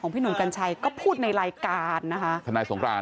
ของพี่หนุ่มกัญชัยก็พูดในรายการนะคะ